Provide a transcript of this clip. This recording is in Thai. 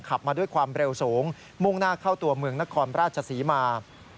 ขับมาด้วยความเร็วสูงมุ่งหน้าเข้าตัวเมืองนครราชศรีมา